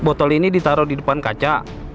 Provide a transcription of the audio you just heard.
botol ini ditaruh di depan kaca